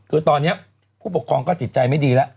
คือตอนนี้ผู้ปกครองก็จิตใจไม่ดีแล้ว